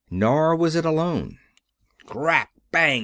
Nor was it alone. "Crack! Bang!